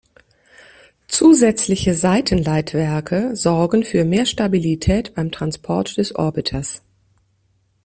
Zusätzliche Seitenleitwerke sorgen für mehr Stabilität beim Transport des Orbiters.